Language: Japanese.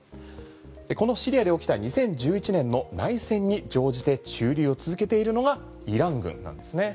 このシリアで起きた２０１１年の内戦に乗じて駐留を続けているのがイラン軍なんですね。